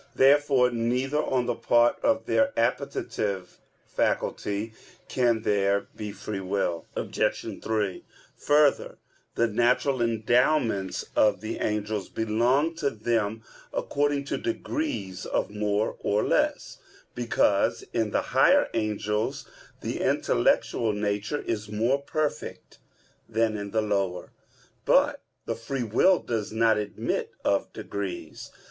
Therefore neither on the part of their appetitive faculty can there be free will. Obj. 3: Further, the natural endowments of the angels belong to them according to degrees of more or less; because in the higher angels the intellectual nature is more perfect than in the lower. But the free will does not admit of degrees.